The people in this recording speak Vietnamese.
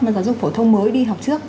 giáo dục phổ thông mới đi học trước